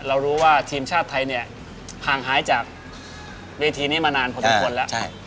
เรารู้ว่าทีมชาติไทยเนี่ยห่างหายจากเวทีนี้มานานพอสมควรแล้ว